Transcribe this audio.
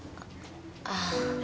ああ